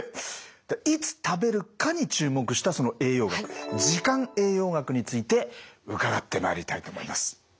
いつ食べるかに注目したその栄養学時間栄養学について伺ってまいりたいと思います。